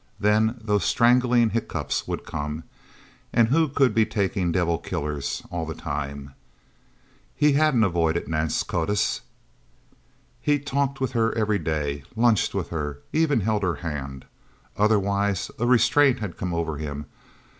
Then those strangling hiccups would come. And who could be taking devil killers all the time? He hadn't avoided Nance Codiss. He talked with her every day, lunched with her, even held her hand. Otherwise, a restraint had come over him.